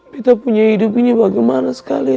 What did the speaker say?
kita punya hidup ini bagaimana sekali